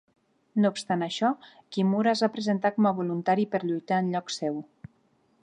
No obstant això, Kimura es va presentar com a voluntari per lluitar en lloc seu.